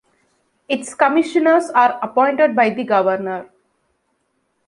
Its commissioners are appointed by the governor.